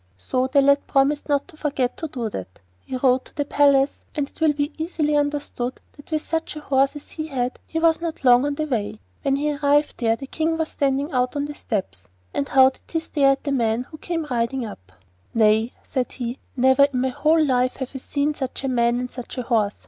So the lad promised not to forget to do that. He rode to the palace, and it will be easily understood that with such a horse as he had he was not long on the way. When he arrived there, the King was standing out on the steps, and how he did stare at the man who came riding up! 'Nay,' said he, 'never in my whole life have I seen such a man and such a horse.